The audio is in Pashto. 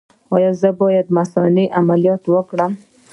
ایا زه باید د مثانې عملیات وکړم؟